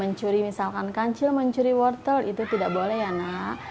mencuri misalkan kancil mencuri wortel itu tidak boleh ya nak